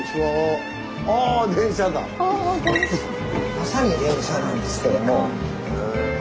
まさに電車なんですけども。